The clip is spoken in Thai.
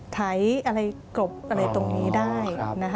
ไถอะไรกรบอะไรตรงนี้ได้